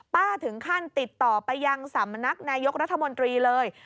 ถึงขั้นติดต่อไปยังสำนักนายกรัฐมนตรีเลย